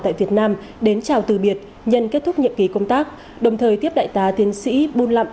tại việt nam đến chào từ biệt nhân kết thúc nhiệm ký công tác đồng thời tiếp đại tá tiến sĩ bùn lậm